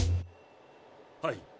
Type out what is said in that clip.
はい。